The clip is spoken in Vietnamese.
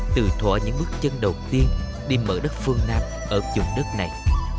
từ thỏa những bước chân đầu tiên đi mở đất phương nam ở dùng đất này